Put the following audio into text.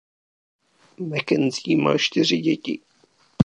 Mackenzie má čtyři děti.